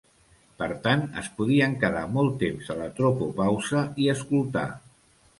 Per tant es podien quedar molt temps a la tropopausa i escoltar.